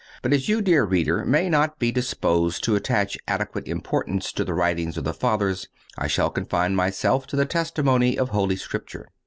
But as you, dear reader, may not be disposed to attach adequate importance to the writings of the Fathers, I shall confine myself to the testimony of Holy Scripture.